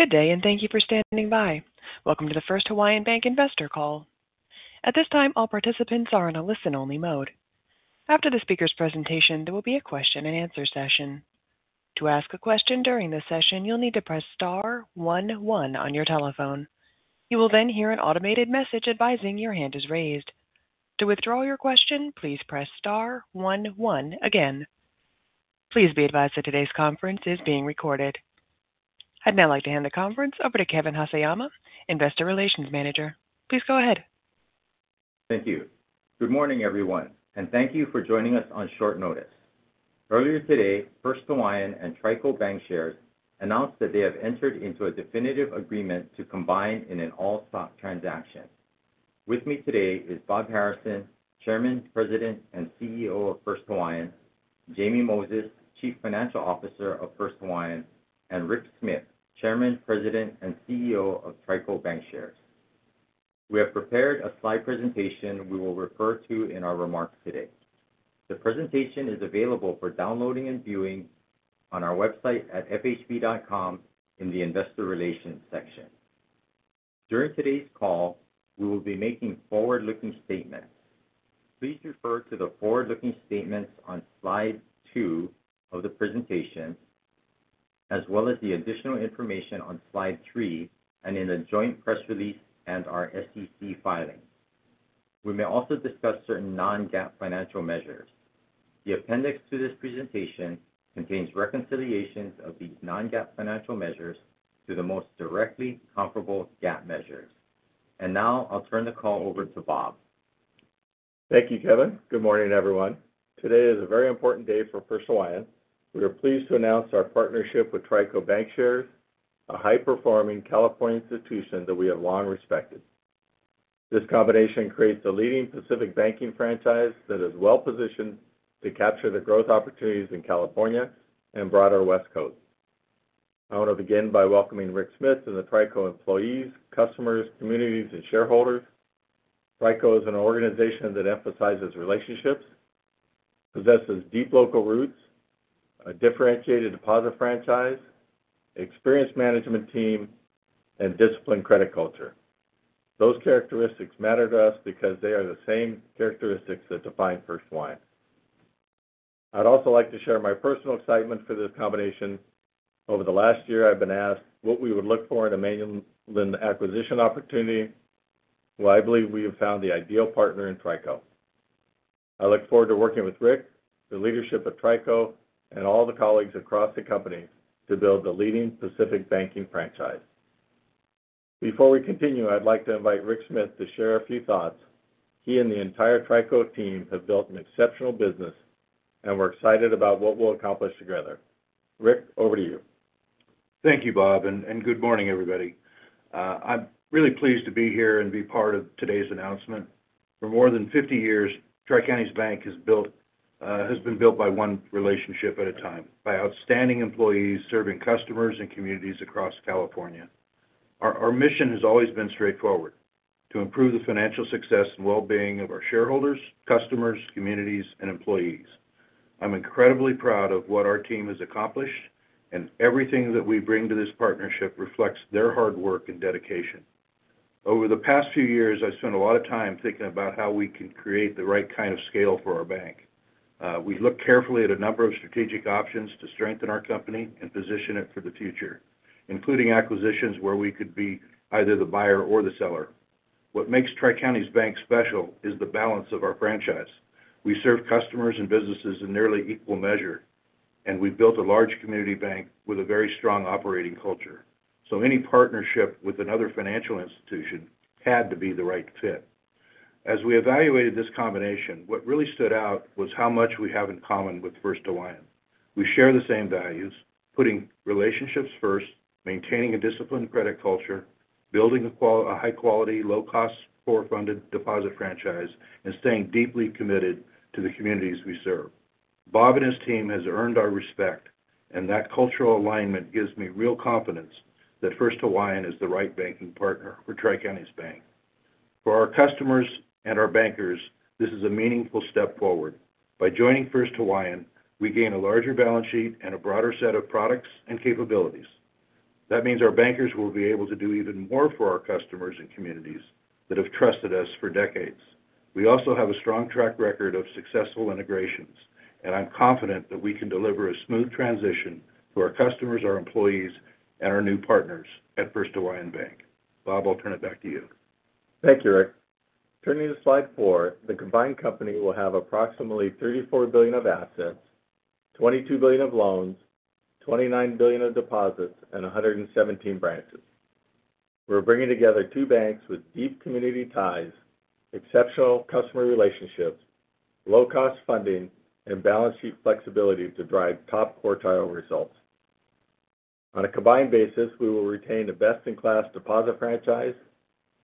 Good day, and thank you for standing by. Welcome to the First Hawaiian Bank investor call. At this time, all participants are in a listen-only mode. After the speaker's presentation, there will be a question-and-answer session. To ask a question during this session, you'll need to press star one one on your telephone. You will then hear an automated message advising your hand is raised. To withdraw your question, please press star one one again. Please be advised that today's conference is being recorded. I'd now like to hand the conference over to Kevin Haseyama, Investor Relations Manager. Please go ahead. Thank you. Good morning, everyone, and thank you for joining us on short notice. Earlier today, First Hawaiian and TriCo Bancshares announced that they have entered into a definitive agreement to combine in an all-stock transaction. With me today is Bob Harrison, Chairman, President, and CEO of First Hawaiian, Jamie Moses, Chief Financial Officer of First Hawaiian, and Rick Smith, Chairman, President, and CEO of TriCo Bancshares. We have prepared a slide presentation we will refer to in our remarks today. The presentation is available for downloading and viewing on our website at fhb.com in the Investor Relations section. During today's call, we will be making forward-looking statements. Please refer to the forward-looking statements on slide two of the presentation, as well as the additional information on slide three and in the joint press release and our SEC filings. The appendix to this presentation contains reconciliations of these non-GAAP financial measures to the most directly comparable GAAP measures. Now I'll turn the call over to Bob. Thank you, Kevin. Good morning, everyone. Today is a very important day for First Hawaiian. We are pleased to announce our partnership with TriCo Bancshares, a high-performing California institution that we have long respected. This combination creates a leading Pacific banking franchise that is well-positioned to capture the growth opportunities in California and broader West Coast. I want to begin by welcoming Rick Smith and the TriCo employees, customers, communities, and shareholders. TriCo is an organization that emphasizes relationships, possesses deep local roots, a differentiated deposit franchise, experienced management team, and disciplined credit culture. Those characteristics matter to us because they are the same characteristics that define First Hawaiian. I'd also like to share my personal excitement for this combination. Over the last year, I've been asked what we would look for in a meaningful acquisition opportunity. I believe we have found the ideal partner in TriCo. I look forward to working with Rick, the leadership at TriCo, and all the colleagues across the company to build a leading Pacific banking franchise. Before we continue, I'd like to invite Rick Smith to share a few thoughts. He and the entire TriCo team have built an exceptional business, and we're excited about what we'll accomplish together. Rick, over to you. Thank you, Bob. Good morning, everybody. I'm really pleased to be here and be part of today's announcement. For more than 50 years, Tri Counties Bank has been built by one relationship at a time, by outstanding employees serving customers and communities across California. Our mission has always been straightforward, to improve the financial success and well-being of our shareholders, customers, communities, and employees. I'm incredibly proud of what our team has accomplished. Everything that we bring to this partnership reflects their hard work and dedication. Over the past few years, I've spent a lot of time thinking about how we can create the right kind of scale for our bank. We look carefully at a number of strategic options to strengthen our company and position it for the future, including acquisitions where we could be either the buyer or the seller. What makes Tri Counties Bank special is the balance of our franchise. We serve customers and businesses in nearly equal measure. We've built a large community bank with a very strong operating culture. Any partnership with another financial institution had to be the right fit. As we evaluated this combination, what really stood out was how much we have in common with First Hawaiian. We share the same values, putting relationships first, maintaining a disciplined credit culture, building a high quality, low cost, core funded deposit franchise, and staying deeply committed to the communities we serve. Bob and his team has earned our respect. That cultural alignment gives me real confidence that First Hawaiian is the right banking partner for Tri Counties Bank. For our customers and our bankers, this is a meaningful step forward. By joining First Hawaiian, we gain a larger balance sheet and a broader set of products and capabilities. That means our bankers will be able to do even more for our customers and communities that have trusted us for decades. We also have a strong track record of successful integrations. I'm confident that we can deliver a smooth transition to our customers, our employees, and our new partners at First Hawaiian Bank. Bob, I'll turn it back to you. Thank you, Rick. Turning to slide four, the combined company will have approximately $34 billion of assets, $22 billion of loans, $29 billion of deposits, and 117 branches. We're bringing together two banks with deep community ties, exceptional customer relationships, low-cost funding, and balance sheet flexibility to drive top quartile results. On a combined basis, we will retain a best-in-class deposit franchise,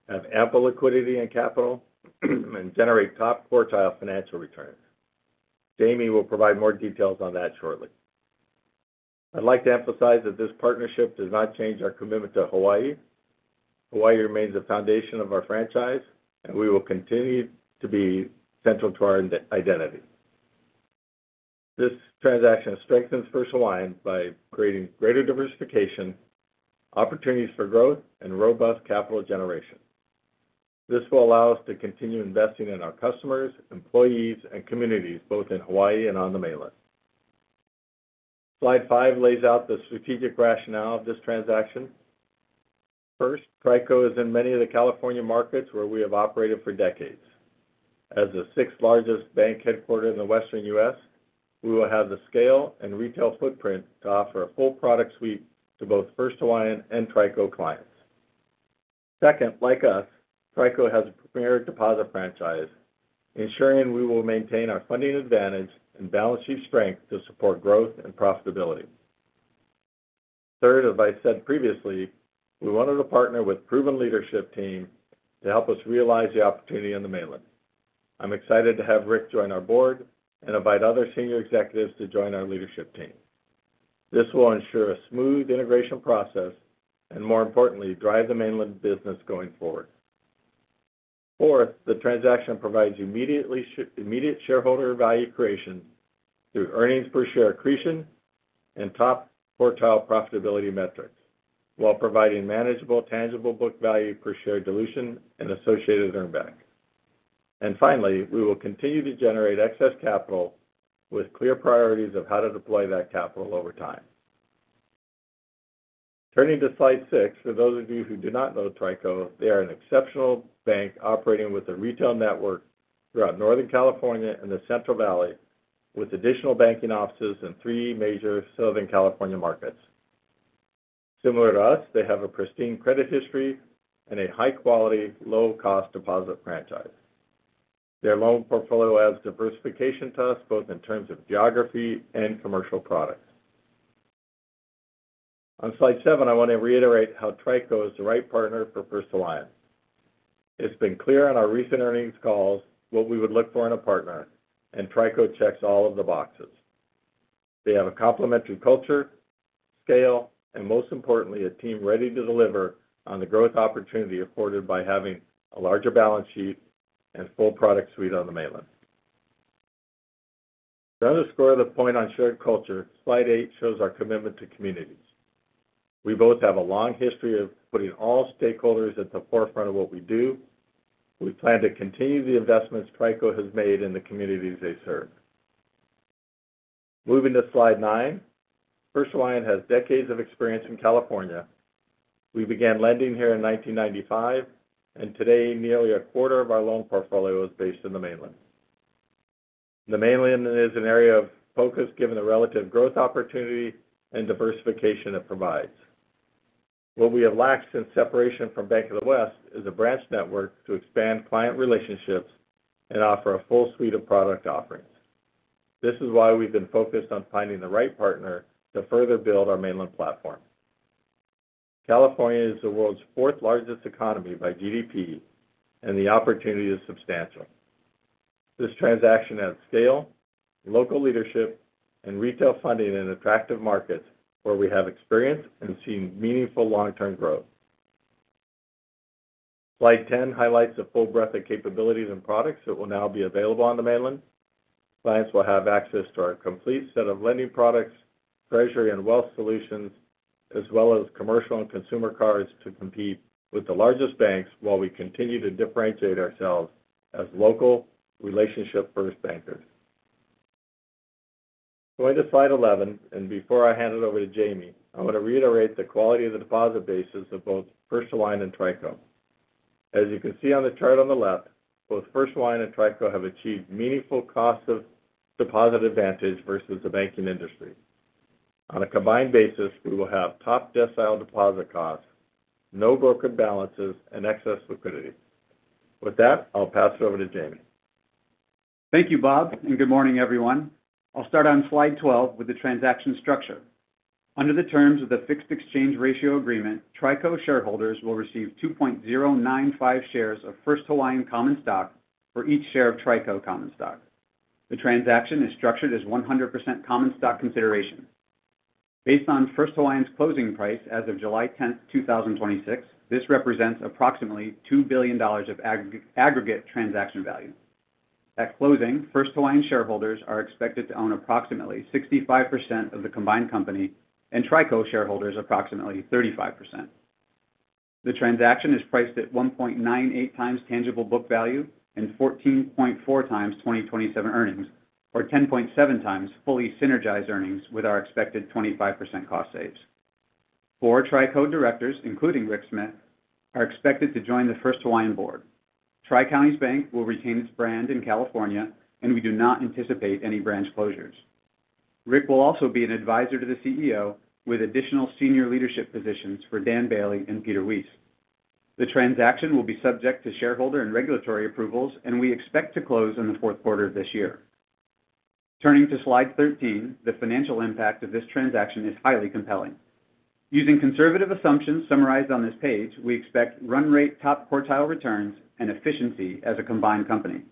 have ample liquidity and capital and generate top quartile financial returns. Jamie will provide more details on that shortly. I'd like to emphasize that this partnership does not change our commitment to Hawaii. Hawaii remains the foundation of our franchise, and we will continue to be central to our identity. This transaction strengthens First Hawaiian by creating greater diversification, opportunities for growth, and robust capital generation. This will allow us to continue investing in our customers, employees, and communities, both in Hawaii and on the mainland. Slide five lays out the strategic rationale of this transaction. First, TriCo is in many of the California markets where we have operated for decades. As the sixth-largest bank headquartered in the Western U.S., we will have the scale and retail footprint to offer a full product suite to both First Hawaiian and TriCo clients. Second, like us, TriCo has a premier deposit franchise, ensuring we will maintain our funding advantage and balance sheet strength to support growth and profitability. Third, as I said previously, we wanted to partner with proven leadership team to help us realize the opportunity on the mainland. I'm excited to have Rick join our Board and invite other senior executives to join our leadership team. This will ensure a smooth integration process, and more importantly, drive the mainland business going forward. Fourth, the transaction provides immediate shareholder value creation through earnings per share accretion and top quartile profitability metrics while providing manageable tangible book value per share dilution and associated earn back. Finally, we will continue to generate excess capital with clear priorities of how to deploy that capital over time. Turning to slide six, for those of you who do not know TriCo, they are an exceptional bank operating with a retail network throughout Northern California and the Central Valley, with additional banking offices in three major Southern California markets. Similar to us, they have a pristine credit history and a high-quality, low-cost deposit franchise. Their loan portfolio adds diversification to us, both in terms of geography and commercial products. On slide seven, I want to reiterate how TriCo is the right partner for First Hawaiian. It's been clear on our recent earnings calls what we would look for in a partner, and TriCo checks all of the boxes. They have a complementary culture, scale, and most importantly, a team ready to deliver on the growth opportunity afforded by having a larger balance sheet and full product suite on the mainland. To underscore the point on shared culture, slide eight shows our commitment to communities. We both have a long history of putting all stakeholders at the forefront of what we do. We plan to continue the investments TriCo has made in the communities they serve. Moving to slide nine, First Hawaiian has decades of experience in California. We began lending here in 1995, and today, nearly a quarter of our loan portfolio is based in the mainland. The mainland is an area of focus given the relative growth opportunity and diversification it provides. What we have lacked since separation from Bank of the West is a branch network to expand client relationships and offer a full suite of product offerings. This is why we've been focused on finding the right partner to further build our mainland platform. California is the world's fourth-largest economy by GDP, and the opportunity is substantial. This transaction adds scale, local leadership, and retail funding in attractive markets where we have experience and seen meaningful long-term growth. Slide 10 highlights the full breadth of capabilities and products that will now be available on the mainland. Clients will have access to our complete set of lending products, treasury and wealth solutions, as well as commercial and consumer cards to compete with the largest banks while we continue to differentiate ourselves as local relationship-first bankers. Going to slide 11. Before I hand it over to Jamie, I want to reiterate the quality of the deposit basis of both First Hawaiian and TriCo. As you can see on the chart on the left, both First Hawaiian and TriCo have achieved meaningful cost of deposit advantage versus the banking industry. On a combined basis, we will have top decile deposit costs, no broken balances, and excess liquidity. With that, I'll pass it over to Jamie. Thank you, Bob. Good morning, everyone. I'll start on slide 12 with the transaction structure. Under the terms of the fixed exchange ratio agreement, TriCo shareholders will receive 2.095 shares of First Hawaiian common stock for each share of TriCo common stock. The transaction is structured as 100% common stock consideration. Based on First Hawaiian's closing price as of July 10, 2026, this represents approximately $2 billion of aggregate transaction value. At closing, First Hawaiian shareholders are expected to own approximately 65% of the combined company, and TriCo shareholders approximately 35%. The transaction is priced at 1.98x tangible book value and 14.4x 2027 earnings or 10.7x fully synergized earnings with our expected 25% cost saves. Four TriCo Directors, including Rick Smith, are expected to join the First Hawaiian Board. Tri Counties Bank will retain its brand in California. We do not anticipate any branch closures. Rick will also be an advisor to the CEO with additional senior leadership positions for Dan Bailey and Peter Wiese. The transaction will be subject to shareholder and regulatory approvals and we expect to close in the fourth quarter of this year. Turning to slide 13, the financial impact of this transaction is highly compelling. Using conservative assumptions summarized on this page, we expect run-rate top quartile returns and efficiency as a combined company.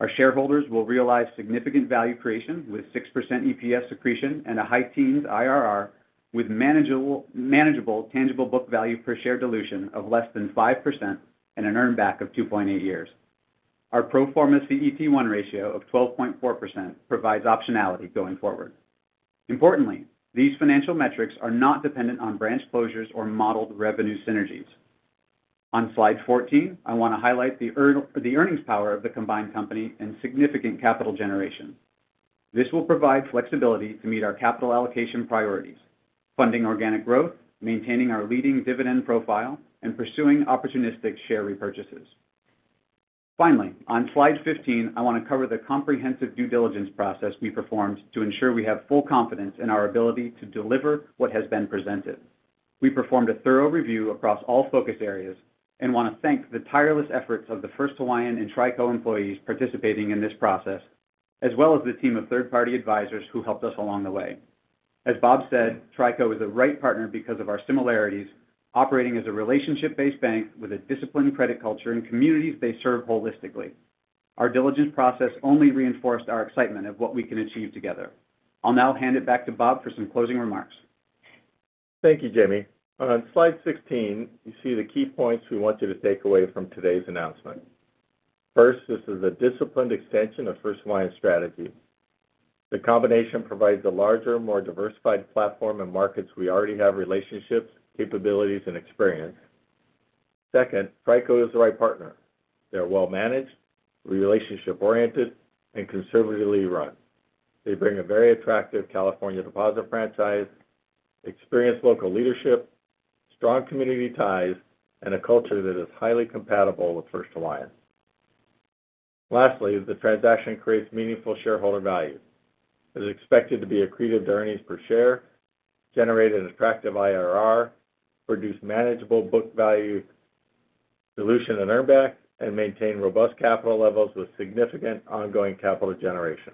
Our shareholders will realize significant value creation with 6% EPS accretion and a high teens IRR with manageable tangible book value per share dilution of less than 5% and an earn back of 2.8 years. Our pro forma CET1 ratio of 12.4% provides optionality going forward. Importantly, these financial metrics are not dependent on branch closures or modeled revenue synergies. On slide 14, I want to highlight the earnings power of the combined company and significant capital generation. This will provide flexibility to meet our capital allocation priorities, funding organic growth, maintaining our leading dividend profile, and pursuing opportunistic share repurchases. Finally, on slide 15, I want to cover the comprehensive due diligence process we performed to ensure we have full confidence in our ability to deliver what has been presented. We performed a thorough review across all focus areas and want to thank the tireless efforts of the First Hawaiian and TriCo employees participating in this process, as well as the team of third-party advisors who helped us along the way. As Bob said, TriCo is the right partner because of our similarities, operating as a relationship-based bank with a disciplined credit culture in communities they serve holistically. Our diligence process only reinforced our excitement of what we can achieve together. I'll now hand it back to Bob for some closing remarks. Thank you, Jamie. On slide 16, you see the key points we want you to take away from today's announcement. First, this is a disciplined extension of First Hawaiian strategy. The combination provides a larger, more diversified platform in markets we already have relationships, capabilities, and experience. Second, TriCo is the right partner. They're well managed, relationship oriented, and conservatively run. They bring a very attractive California deposit franchise, experienced local leadership, strong community ties, and a culture that is highly compatible with First Hawaiian. Lastly, the transaction creates meaningful shareholder value. It is expected to be accretive to earnings per share, generate an attractive IRR, produce manageable book value dilution on earnback, and maintain robust capital levels with significant ongoing capital generation.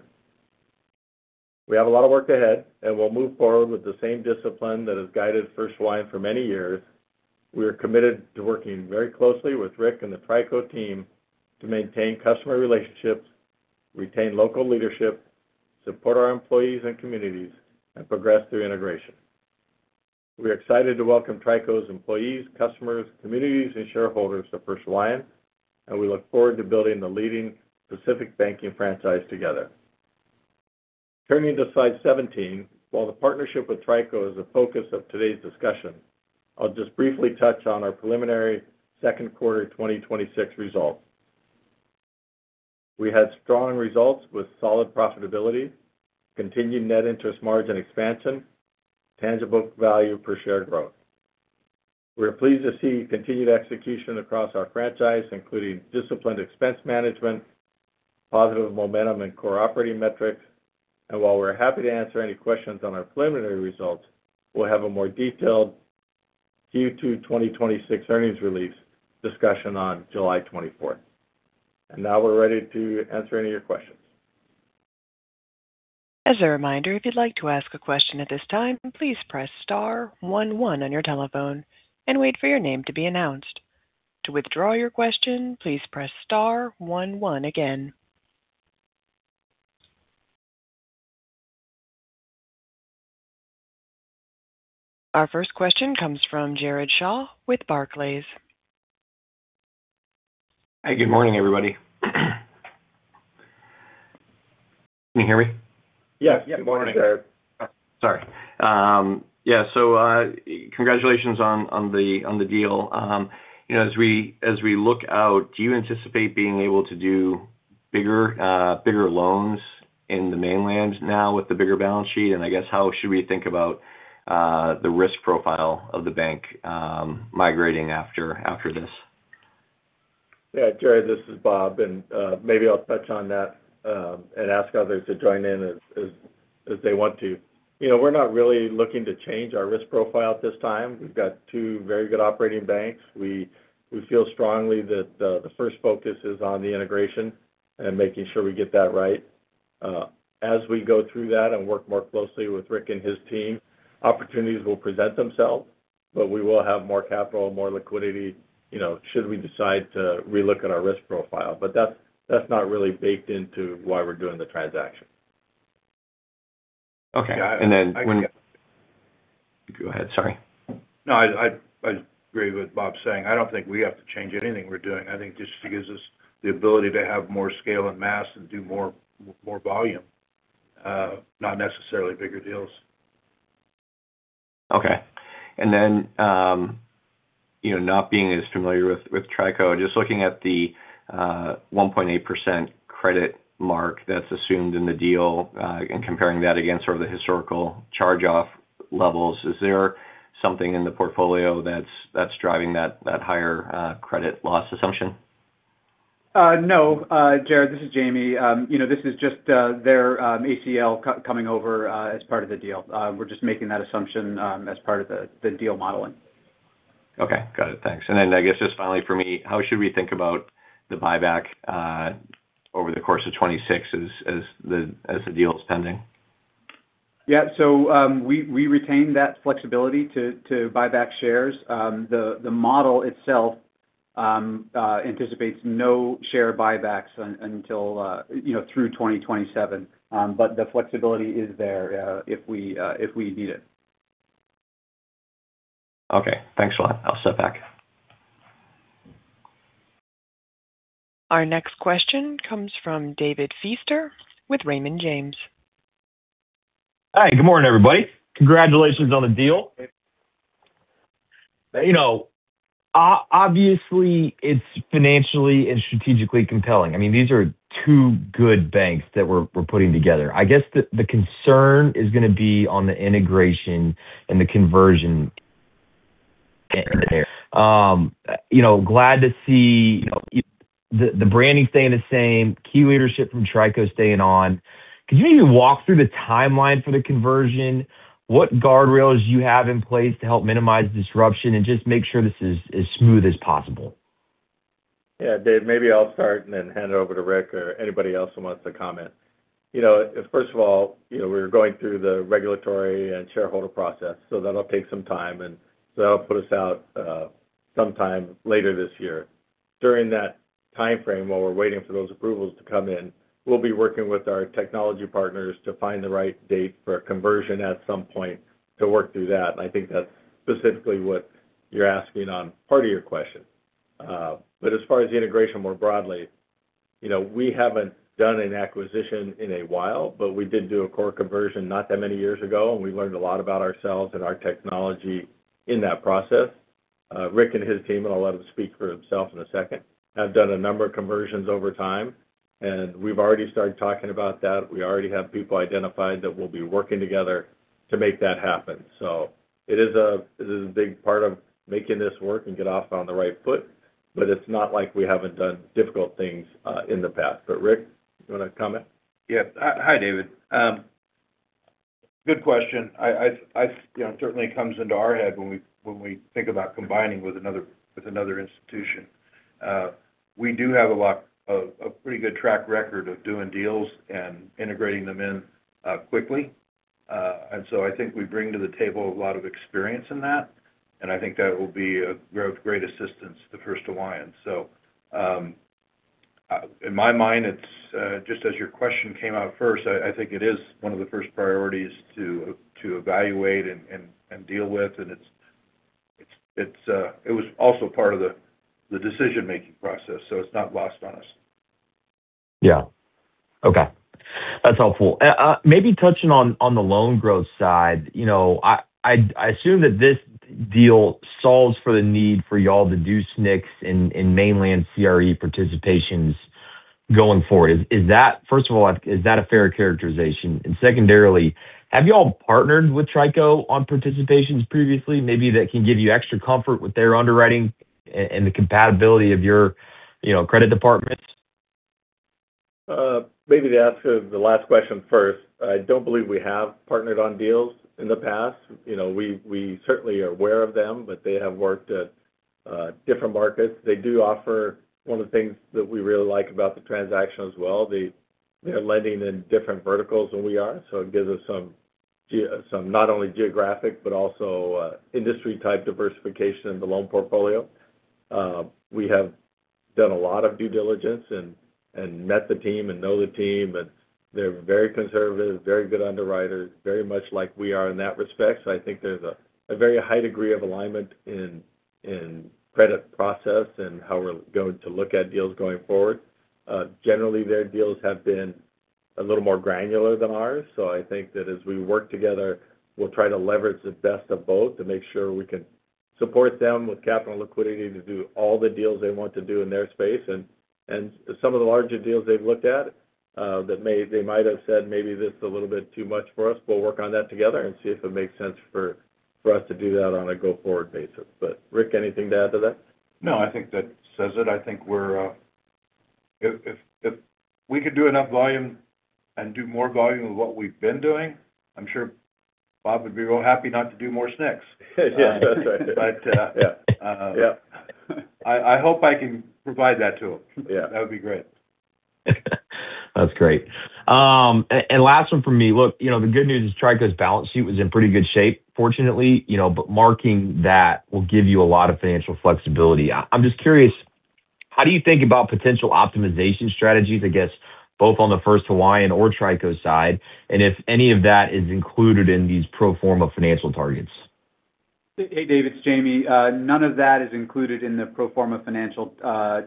We have a lot of work ahead, and we'll move forward with the same discipline that has guided First Hawaiian for many years. We are committed to working very closely with Rick and the TriCo team to maintain customer relationships, retain local leadership, support our employees and communities, and progress through integration. We are excited to welcome TriCo's employees, customers, communities, and shareholders to First Hawaiian, and we look forward to building the leading Pacific banking franchise together. Turning to slide 17, while the partnership with TriCo is the focus of today's discussion, I'll just briefly touch on our preliminary second quarter 2026 results. We had strong results with solid profitability, continued net interest margin expansion, tangible [book] value per share growth. We are pleased to see continued execution across our franchise, including disciplined expense management, positive momentum in core operating metrics, and while we're happy to answer any questions on our preliminary results, we'll have a more detailed Q2 2026 earnings release discussion on July 24th. Now we're ready to answer any of your questions. As a reminder, if you'd like to ask a question at this time, please press star one one on your telephone and wait for your name to be announced. To withdraw your question, please press star one one again. Our first question comes from Jared Shaw with Barclays. Hi. Good morning, everybody. Can you hear me? Yes. Good morning, Jared. Sorry. Yeah. Congratulations on the deal. As we look out, do you anticipate being able to do bigger loans in the mainland now with the bigger balance sheet? I guess how should we think about the risk profile of the bank migrating after this? Yeah, Jared, this is Bob. Maybe I'll touch on that and ask others to join in as they want to. We're not really looking to change our risk profile at this time. We've got two very good operating banks. We feel strongly that the first focus is on the integration and making sure we get that right. As we go through that and work more closely with Rick and his team, opportunities will present themselves, we will have more capital, more liquidity, should we decide to relook at our risk profile. That's not really baked into why we're doing the transaction. Okay. Then when- Yeah, I- Go ahead. Sorry. No. I agree with Bob saying, I don't think we have to change anything we're doing. I think this just gives us the ability to have more scale and mass and do more volume, not necessarily bigger deals. Okay. Not being as familiar with TriCo, just looking at the 1.8% credit mark that's assumed in the deal, and comparing that against sort of the historical charge-off levels, is there something in the portfolio that's driving that higher credit loss assumption? No, Jared, this is Jamie. This is just their ACL coming over as part of the deal. We're just making that assumption as part of the deal modeling. Okay. Got it. Thanks. Then I guess just finally for me, how should we think about the buyback over the course of 2026 as the deal is pending? Yeah. We retain that flexibility to buy back shares. The model itself anticipates no share buybacks through 2027. The flexibility is there if we need it. Okay. Thanks a lot. I'll step back. Our next question comes from David Feaster with Raymond James. Hi. Good morning, everybody. Congratulations on the deal. Obviously, it's financially and strategically compelling. These are two good banks that we're putting together. I guess the concern is going to be on the integration and the conversion end there. Glad to see the branding staying the same, key leadership from TriCo staying on. Could you maybe walk through the timeline for the conversion? What guardrails do you have in place to help minimize disruption and just make sure this is as smooth as possible? Yeah, Dave, maybe I'll start and then hand it over to Rick or anybody else who wants to comment. First of all, we're going through the regulatory and shareholder process, that'll take some time, that'll put us out sometime later this year. During that timeframe, while we're waiting for those approvals to come in, we'll be working with our technology partners to find the right date for a conversion at some point to work through that. I think that's specifically what you're asking on part of your question. As far as the integration more broadly, we haven't done an acquisition in a while, but we did do a core conversion not that many years ago, and we learned a lot about ourselves and our technology in that process. Rick and his team, I'll let him speak for himself in a second, have done a number of conversions over time, we've already started talking about that. We already have people identified that will be working together to make that happen. It is a big part of making this work and get off on the right foot, it's not like we haven't done difficult things in the past. Rick, you want to comment? Yes. Hi, David. Good question. It certainly comes into our head when we think about combining with another institution. We do have a pretty good track record of doing deals and integrating them in quickly. I think we bring to the table a lot of experience in that, I think that will be of great assistance to First Hawaiian. In my mind, just as your question came out first, I think it is one of the first priorities to evaluate and deal with. It was also part of the decision-making process. It's not lost on us. Yeah. Okay. That's helpful. Touching on the loan growth side. I assume that this deal solves for the need for you all to do SNCs in mainland CRE participations going forward. First of all, is that a fair characterization? Secondarily, have you all partnered with TriCo on participations previously, maybe that can give you extra comfort with their underwriting and the compatibility of your credit departments? To answer the last question first, I don't believe we have partnered on deals in the past. We certainly are aware of them, but they have worked at different markets. They do offer one of the things that we really like about the transaction as well. They are lending in different verticals than we are, so it gives us some not only geographic but also industry type diversification in the loan portfolio. We have done a lot of due diligence and met the team and know the team, and they're very conservative, very good underwriters, very much like we are in that respect. I think there's a very high degree of alignment in credit process and how we're going to look at deals going forward. Generally, their deals have been a little more granular than ours. I think that as we work together, we'll try to leverage the best of both to make sure we can support them with capital liquidity to do all the deals they want to do in their space. Some of the larger deals they've looked at that they might have said, maybe this is a little bit too much for us, we'll work on that together and see if it makes sense for us to do that on a go-forward basis. Rick, anything to add to that? No, I think that says it. I think if we could do enough volume and do more volume of what we've been doing, I'm sure Bob would be real happy not to do more SNCs. Yeah. That's right. But- Yeah I hope I can provide that to him. Yeah. That would be great. That's great. Last one from me. Look, the good news is TriCo's balance sheet was in pretty good shape, fortunately, but marking that will give you a lot of financial flexibility. I'm just curious, how do you think about potential optimization strategies, I guess, both on the First Hawaiian or TriCo side, and if any of that is included in these pro forma financial targets? Hey, David, it's Jamie. None of that is included in the pro forma financial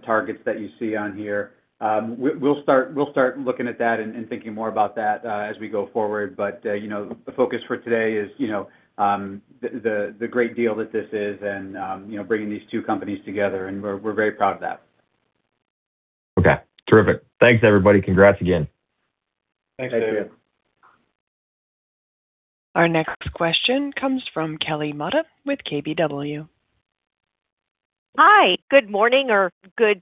targets that you see on here. We'll start looking at that and thinking more about that as we go forward. The focus for today is the great deal that this is and bringing these two companies together, and we're very proud of that. Okay. Terrific. Thanks, everybody. Congrats again. Thanks, David. Thanks. Our next question comes from Kelly Motta with KBW. Hi. Good morning, or good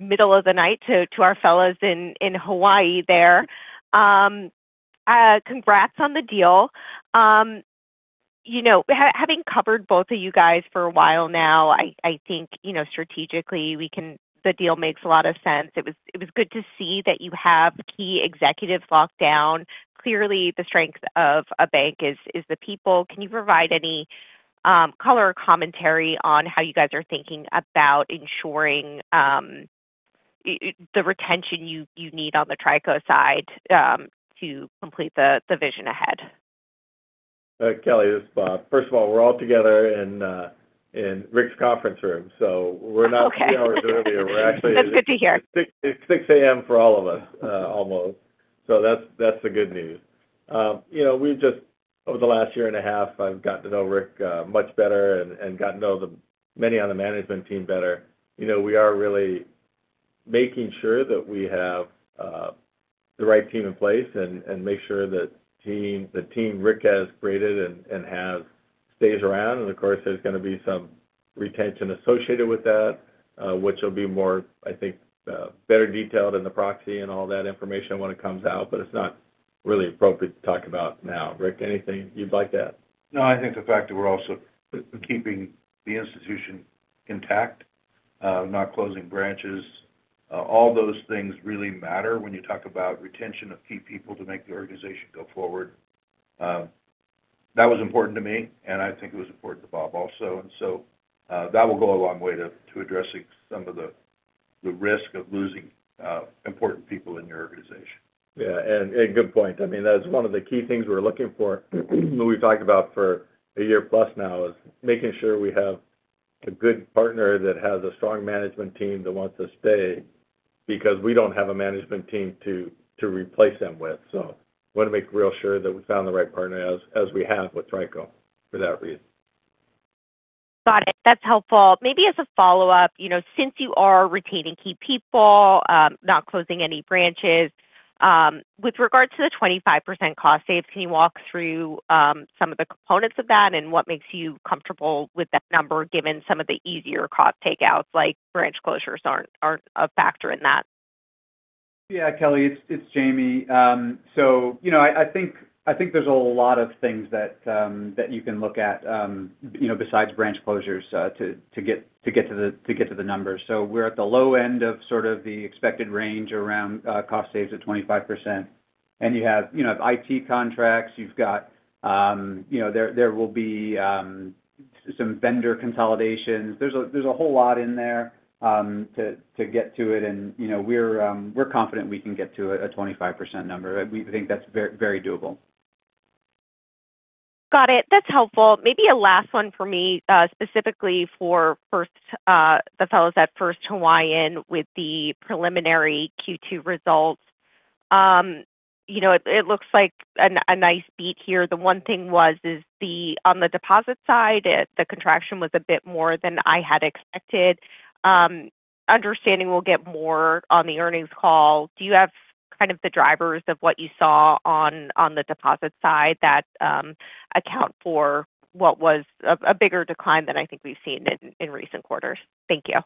middle of the night to our fellows in Hawaii there. Congrats on the deal. Having covered both of you guys for a while now, I think strategically, the deal makes a lot of sense. It was good to see that you have key executives locked down. Clearly, the strength of a bank is the people. Can you provide any color or commentary on how you guys are thinking about ensuring the retention you need on the TriCo side to complete the vision ahead? Kelly, this is Bob. First of all, we're all together in Rick's conference room, so we're not. Okay three hours earlier. We're actually. That's good to hear. It's 6:00 A.M. for all of us, almost. That's the good news. Over the last year and a half, I've gotten to know Rick much better and gotten to know many on the management team better. We are really making sure that we have the right team in place and make sure that the team Rick has created and have stays around. Of course, there's going to be some retention associated with that, which will be more, I think, better detailed in the proxy and all that information when it comes out, but it's not really appropriate to talk about now. Rick, anything you'd like to add? No, I think the fact that we're also keeping the institution intact, not closing branches, all those things really matter when you talk about retention of key people to make the organization go forward. That was important to me, and I think it was important to Bob also. That will go a long way to addressing some of the risk of losing important people in your organization. Yeah, good point. That is one of the key things we're looking for, that we've talked about for a year plus now, is making sure we have a good partner that has a strong management team that wants to stay, because we don't have a management team to replace them with. Want to make real sure that we found the right partner, as we have with TriCo, for that reason. Got it. That's helpful. Maybe as a follow-up, since you are retaining key people, not closing any branches, with regard to the 25% cost saves, can you walk through some of the components of that and what makes you comfortable with that number, given some of the easier cost takeouts, like branch closures aren't a factor in that? Kelly, it's Jamie. I think there's a lot of things that you can look at besides branch closures to get to the numbers. We're at the low end of sort of the expected range around cost saves of 25%. You have IT contracts. There will be some vendor consolidations. There's a whole lot in there to get to it, and we're confident we can get to a 25% number. We think that's very doable. Got it. That's helpful. Maybe a last one for me, specifically for the fellows at First Hawaiian with the preliminary Q2 results. It looks like a nice beat here. The one thing was on the deposit side, the contraction was a bit more than I had expected. Understanding we'll get more on the earnings call, do you have kind of the drivers of what you saw on the deposit side that account for what was a bigger decline than I think we've seen in recent quarters? Thank you.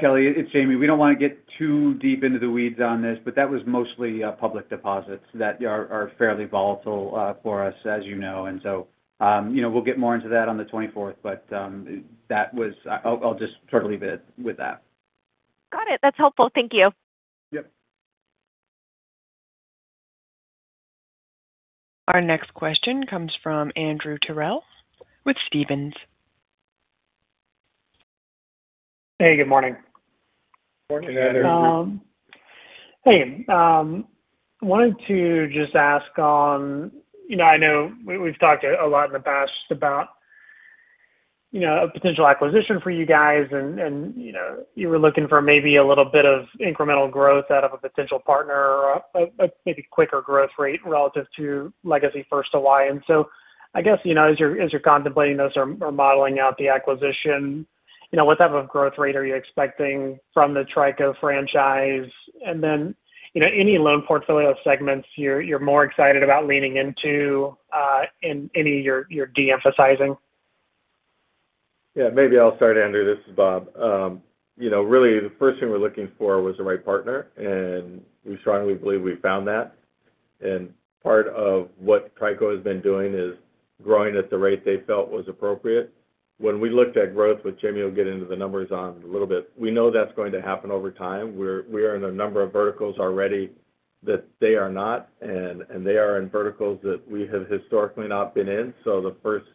Kelly, it's Jamie. We don't want to get too deep into the weeds on this, that was mostly public deposits that are fairly volatile for us, as you know. We'll get more into that on the 24th, I'll just sort of leave it with that. Got it. That's helpful. Thank you. Yep. Our next question comes from Andrew Terrell with Stephens. Hey, good morning. Morning, Andrew. Good morning. Hey. I wanted to just ask on, I know we've talked a lot in the past about a potential acquisition for you guys and you were looking for maybe a little bit of incremental growth out of a potential partner or a maybe quicker growth rate relative to legacy First Hawaiian. I guess, as you're contemplating those or modeling out the acquisition, what type of growth rate are you expecting from the TriCo franchise? Any loan portfolio segments you're more excited about leaning into, and any you're de-emphasizing? Yeah. Maybe I'll start, Andrew. This is Bob. Really, the first thing we're looking for was the right partner, and we strongly believe we've found that. Part of what TriCo has been doing is growing at the rate they felt was appropriate. When we looked at growth, which Jamie'll get into the numbers on in a little bit, we know that's going to happen over time. We are in a number of verticals already that they are not, and they are in verticals that we have historically not been in. The first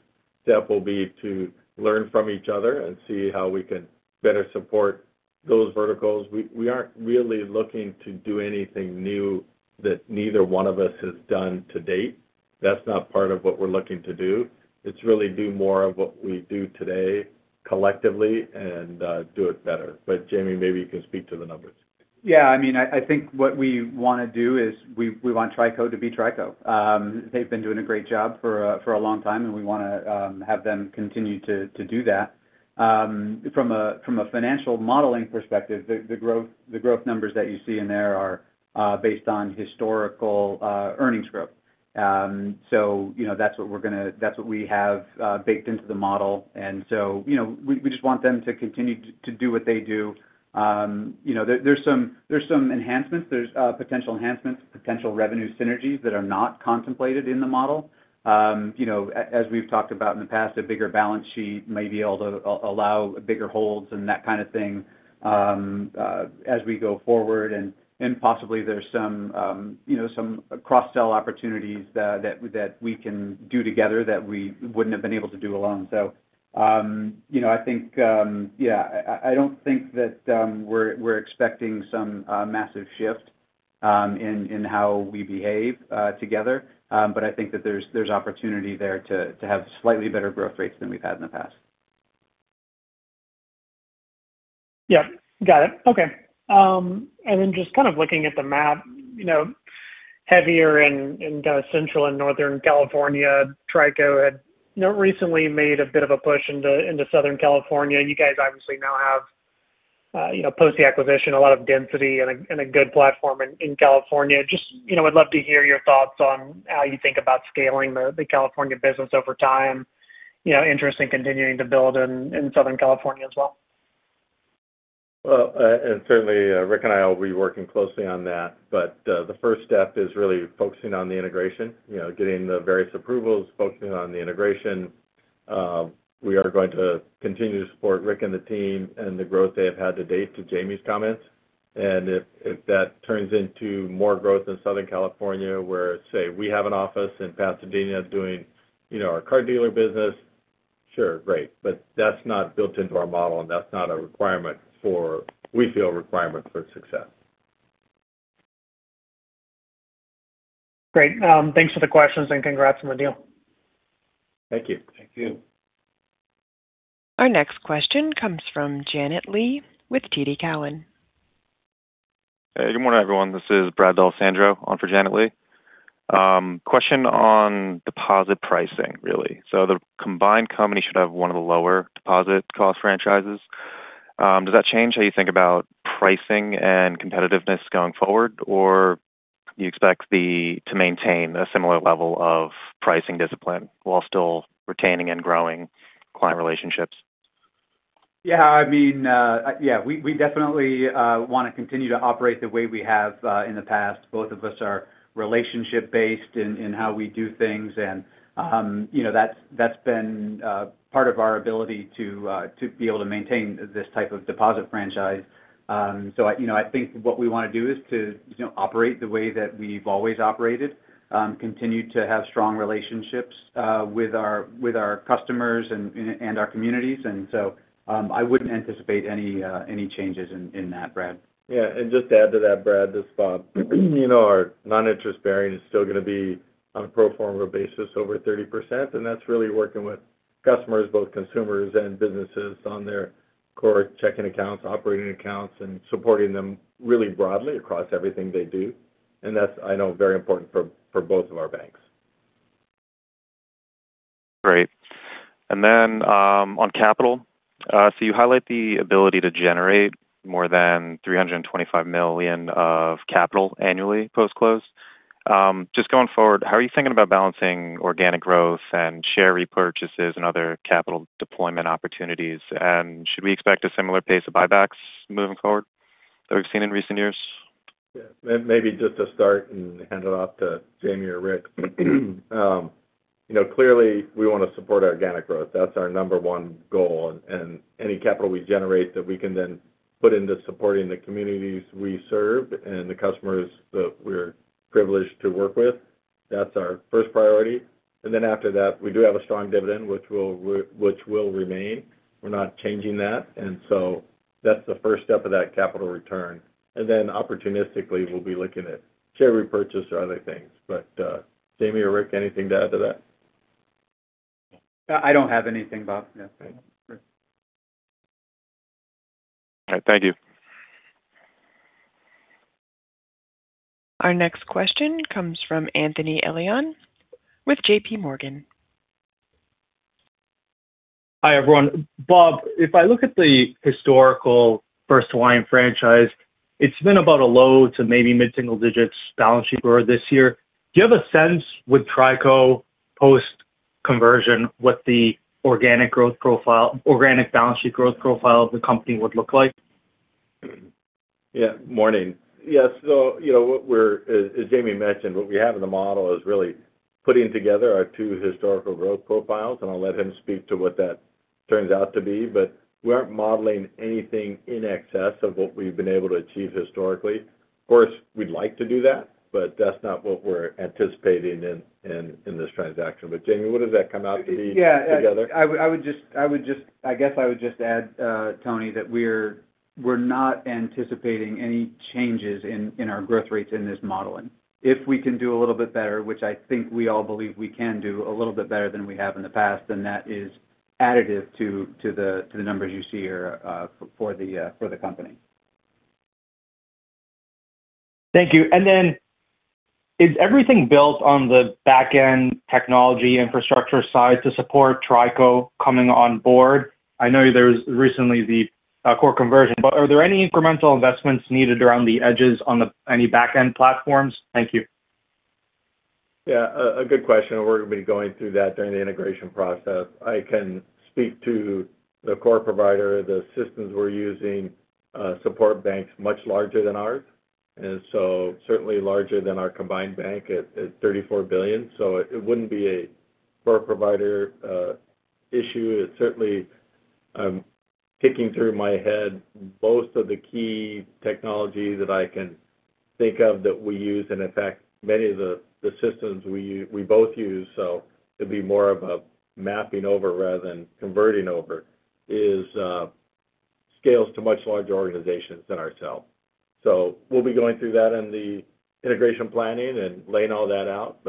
step will be to learn from each other and see how we can better support those verticals. We aren't really looking to do anything new that neither one of us has done to date. That's not part of what we're looking to do. It's really do more of what we do today collectively and do it better. Jamie, maybe you can speak to the numbers. Yeah. I think what we want to do is we want TriCo to be TriCo. They've been doing a great job for a long time, and we want to have them continue to do that. From a financial modeling perspective, the growth numbers that you see in there are based on historical earnings growth. That's what we have baked into the model, and so we just want them to continue to do what they do. There's some enhancements. There's potential enhancements, potential revenue synergies that are not contemplated in the model. As we've talked about in the past, a bigger balance sheet may be able to allow bigger holds and that kind of thing as we go forward. Possibly there's some cross-sell opportunities that we can do together that we wouldn't have been able to do alone. I don't think that we're expecting some massive shift in how we behave together. I think that there's opportunity there to have slightly better growth rates than we've had in the past. Yep. Got it. Okay. Just kind of looking at the map, heavier in Central and Northern California, TriCo had recently made a bit of a push into Southern California. You guys obviously now have, post the acquisition, a lot of density and a good platform in California. Just would love to hear your thoughts on how you think about scaling the California business over time. Interest in continuing to build in Southern California as well. Certainly Rick and I will be working closely on that. The first step is really focusing on the integration. Getting the various approvals, focusing on the integration. We are going to continue to support Rick and the team and the growth they have had to date to Jamie's comments. If that turns into more growth in Southern California, where, say, we have an office in Pasadena doing our car dealer business, sure, great. That's not built into our model, and that's not a we feel requirement for success. Great. Thanks for the questions, and congrats on the deal. Thank you. Thank you. Our next question comes from Janet Lee with TD Cowen. Hey, good morning, everyone. This is Brad D'Alessandro on for Janet Lee. Question on deposit pricing really. The combined company should have one of the lower deposit cost franchises. Does that change how you think about pricing and competitiveness going forward? Or do you expect to maintain a similar level of pricing discipline while still retaining and growing client relationships? Yeah. We definitely want to continue to operate the way we have in the past. Both of us are relationship based in how we do things, and that's been part of our ability to be able to maintain this type of deposit franchise. I think what we want to do is to operate the way that we've always operated, continue to have strong relationships with our customers and our communities. I wouldn't anticipate any changes in that, Brad. Yeah. Just to add to that, Brad, this is Bob. Our non-interest bearing is still going to be on a pro forma basis over 30%, and that's really working with customers, both consumers and businesses, on their core checking accounts, operating accounts, and supporting them really broadly across everything they do. That's, I know, very important for both of our banks. Great. On capital, you highlight the ability to generate more than $325 million of capital annually post-close. Just going forward, how are you thinking about balancing organic growth and share repurchases and other capital deployment opportunities? Should we expect a similar pace of buybacks moving forward that we've seen in recent years? Yeah. Maybe just to start and hand it off to Jamie or Rick. Clearly, we want to support organic growth. That's our number one goal. Any capital we generate that we can then put into supporting the communities we serve and the customers that we're privileged to work with, that's our first priority. After that, we do have a strong dividend, which will remain. We're not changing that. That's the first step of that capital return. Opportunistically, we'll be looking at share repurchase or other things. Jamie or Rick, anything to add to that? I don't have anything, Bob. No. Okay. Great. All right. Thank you. Our next question comes from Anthony Elian with JPMorgan. Hi, everyone. Bob, if I look at the historical First Hawaiian franchise, it's been about a low to maybe mid-single digits balance sheet growth this year. Do you have a sense with TriCo post conversion, what the organic balance sheet growth profile of the company would look like? Morning. Yes. As Jamie mentioned, what we have in the model is really putting together our two historical growth profiles, and I'll let him speak to what that turns out to be. We aren't modeling anything in excess of what we've been able to achieve historically. Of course, we'd like to do that, but that's not what we're anticipating in this transaction. Jamie, what does that come out to be together? I guess I would just add, Tony, that we're not anticipating any changes in our growth rates in this modeling. If we can do a little bit better, which I think we all believe we can do a little bit better than we have in the past, that is additive to the numbers you see here for the company. Thank you. Is everything built on the back end technology infrastructure side to support TriCo coming on board? I know there's recently the core conversion, are there any incremental investments needed around the edges on any back-end platforms? Thank you. Yeah. A good question. We're going to be going through that during the integration process. I can speak to the core provider. The systems we're using support banks much larger than ours, certainly larger than our combined bank at $34 billion. It wouldn't be a core provider issue. It's certainly kicking through my head. Both of the key technology that I can think of that we use, and in fact, many of the systems we both use, so it'd be more of a mapping over rather than converting over, is scales to much larger organizations than ourselves. We'll be going through that in the integration planning and laying all that out.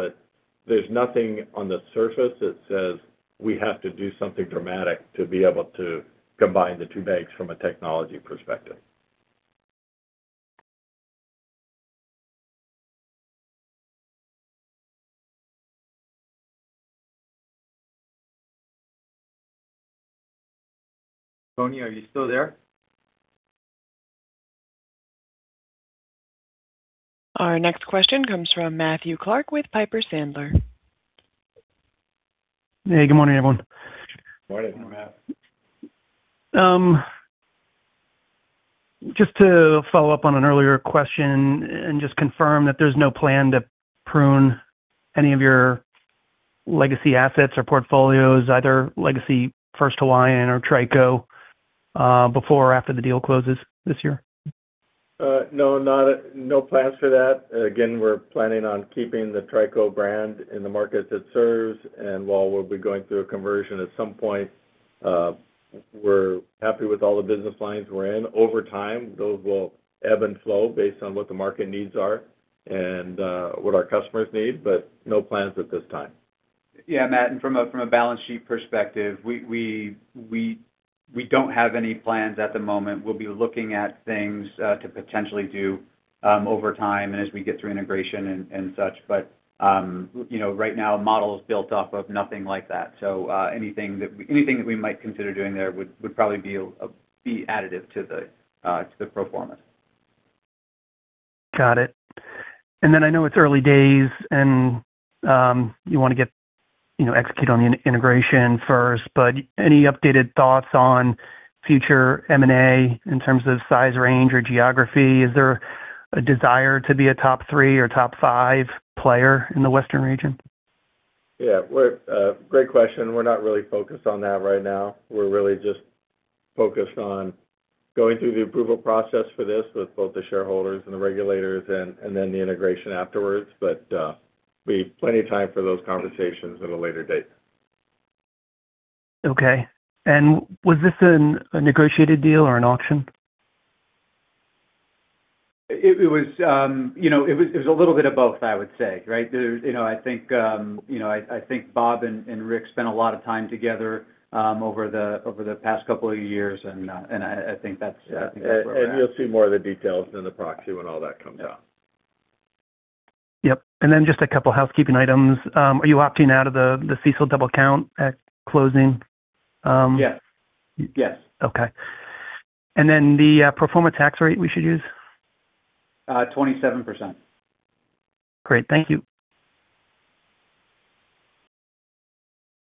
There's nothing on the surface that says we have to do something dramatic to be able to combine the two banks from a technology perspective. Tony, are you still there? Our next question comes from Matthew Clark with Piper Sandler. Hey, good morning, everyone. Morning, Matt. Just to follow up on an earlier question to confirm that there's no plan to prune any of your legacy assets or portfolios, either legacy First Hawaiian or TriCo, before or after the deal closes this year? No plans for that. Again, we're planning on keeping the TriCo brand in the markets it serves. While we'll be going through a conversion at some point, we're happy with all the business lines we're in. Over time, those will ebb and flow based on what the market needs are and what our customers need, no plans at this time. Yeah, Matt, from a balance sheet perspective, we don't have any plans at the moment. We'll be looking at things to potentially do over time and as we get through integration and such. Right now, model is built off of nothing like that. Anything that we might consider doing there would probably be additive to the pro forma. Got it. I know it's early days, and you want to execute on the integration first, but any updated thoughts on future M&A in terms of size range or geography? Is there a desire to be a top three or top five player in the western region? Yeah. Great question. We're not really focused on that right now. We're really just focused on going through the approval process for this with both the shareholders and the regulators and then the integration afterwards. We have plenty of time for those conversations at a later date. Okay. Was this a negotiated deal or an auction? It was a little bit of both, I would say, right? I think Bob and Rick spent a lot of time together over the past couple of years, and I think that's where we're at. You'll see more of the details in the proxy when all that comes out. Yep. Just a couple housekeeping items. Are you opting out of the CECL double count at closing? Yes. Okay. Then the pro forma tax rate we should use? 27%. Great. Thank you.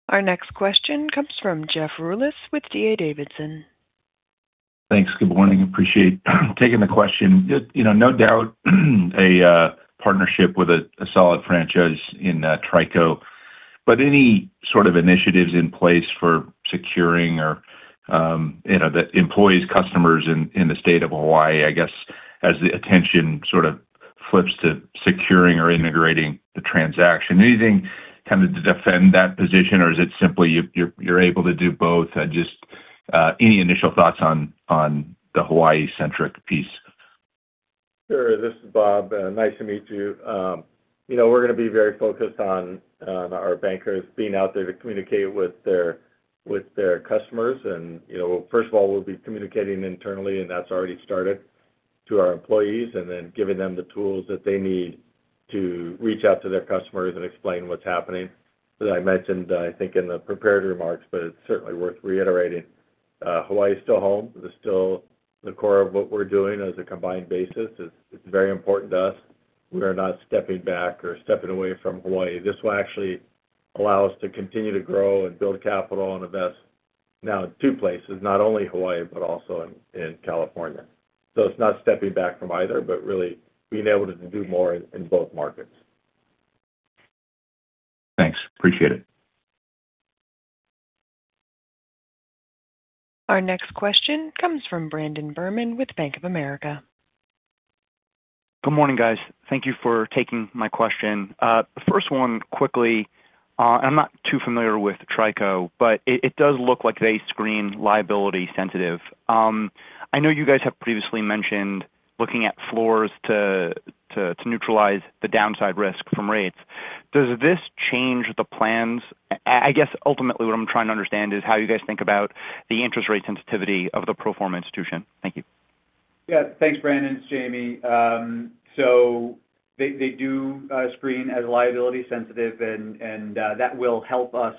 Our next question comes from Jeff Rulis with D.A. Davidson. Thanks. Good morning. Appreciate taking the question. No doubt a partnership with a solid franchise in TriCo. Any sort of initiatives in place for securing the employees, customers in the state of Hawaii, I guess, as the attention sort of flips to securing or integrating the transaction? Anything kind of to defend that position, or is it simply you're able to do both? Just any initial thoughts on the Hawaii-centric piece. Sure. This is Bob. Nice to meet you. We're going to be very focused on our bankers being out there to communicate with their customers. First of all, we'll be communicating internally, and that's already started to our employees, then giving them the tools that they need to reach out to their customers and explain what's happening. As I mentioned, I think, in the prepared remarks, it's certainly worth reiterating. Hawaii is still home. It is still the core of what we're doing as a combined basis. It's very important to us. We are not stepping back or stepping away from Hawaii. This will actually allow us to continue to grow and build capital and invest now in two places, not only Hawaii, but also in California. It's not stepping back from either, but really being able to do more in both markets. Thanks. Appreciate it. Our next question comes from Brandon Berman with Bank of America. Good morning, guys. Thank you for taking my question. The first one quickly, and I'm not too familiar with TriCo, but it does look like they screen liability sensitive. I know you guys have previously mentioned looking at floors to neutralize the downside risk from rates. Does this change the plans? I guess ultimately what I'm trying to understand is how you guys think about the interest rate sensitivity of the pro forma institution. Thank you. Yeah. Thanks, Brandon. It's Jamie. They do screen as liability sensitive, and that will help us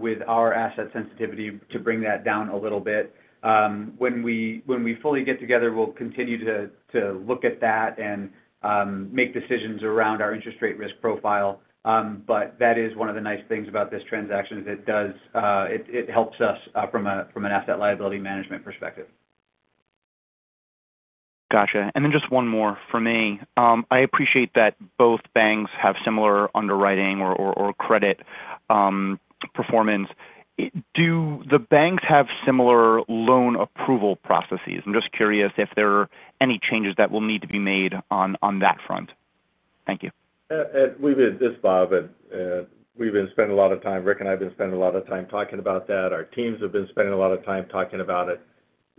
with our asset sensitivity to bring that down a little bit. When we fully get together, we'll continue to look at that and make decisions around our interest rate risk profile. That is one of the nice things about this transaction, is it helps us from an asset liability management perspective. Got you. Just one more from me. I appreciate that both banks have similar underwriting or credit performance. Do the banks have similar loan approval processes? I'm just curious if there are any changes that will need to be made on that front. Thank you. This is Bob. Rick and I have been spending a lot of time talking about that. Our teams have been spending a lot of time talking about it.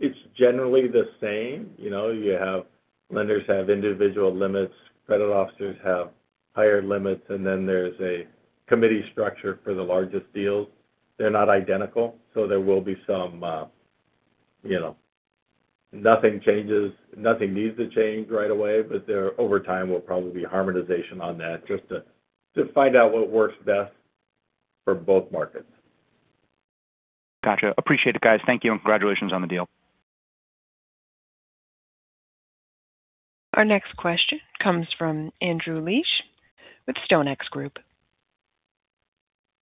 It's generally the same. You have lenders have individual limits, credit officers have higher limits, and then there's a committee structure for the largest deals. They're not identical, so nothing needs to change right away, but over time, we'll probably be harmonization on that just to find out what works best for both markets. Got you. Appreciate it, guys. Thank you, and congratulations on the deal. Our next question comes from Andrew Liesch with StoneX Group.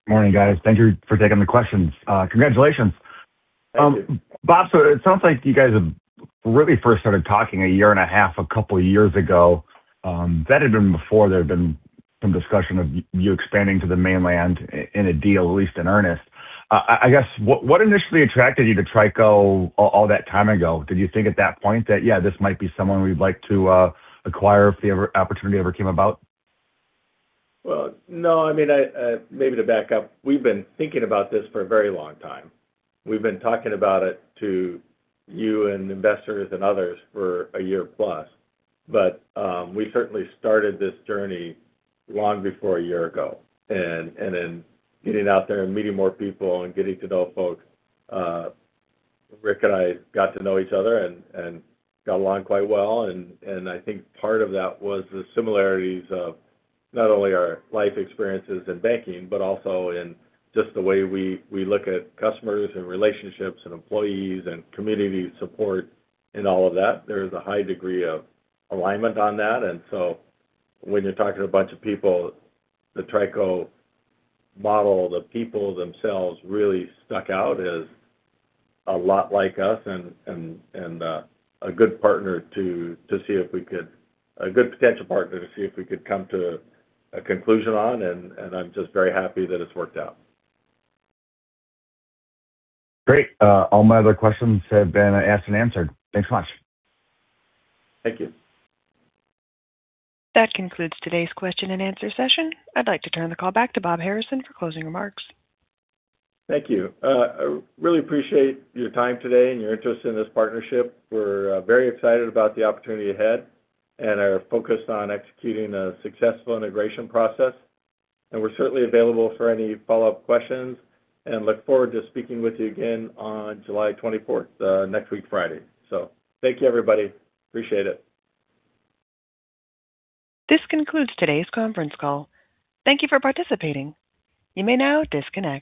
Morning, guys. Thank you for taking the questions. Congratulations. Thank you. Bob, it sounds like you guys have really first started talking a year and a half, a couple of years ago. That had been before there had been some discussion of you expanding to the mainland in a deal, at least in earnest. I guess, what initially attracted you to TriCo all that time ago? Did you think at that point that, yeah, this might be someone we'd like to acquire if the opportunity ever came about? Well, no. Maybe to back up, we've been thinking about this for a very long time. We've been talking about it to you and investors and others for a year plus. We certainly started this journey long before a year ago. Getting out there and meeting more people and getting to know folks. Rick and I got to know each other and got along quite well, and I think part of that was the similarities of not only our life experiences in banking, but also in just the way we look at customers and relationships and employees and community support and all of that. There's a high degree of alignment on that. When you're talking to a bunch of people, the TriCo model, the people themselves really stuck out as a lot like us, and a good potential partner to see if we could come to a conclusion on. I'm just very happy that it's worked out. Great. All my other questions have been asked and answered. Thanks so much. Thank you. That concludes today's question-and-answer session. I'd like to turn the call back to Bob Harrison for closing remarks. Thank you. I really appreciate your time today and your interest in this partnership. We're very excited about the opportunity ahead and are focused on executing a successful integration process. We're certainly available for any follow-up questions and look forward to speaking with you again on July 24th, next week, Friday. Thank you, everybody. Appreciate it. This concludes today's conference call. Thank you for participating. You may now disconnect.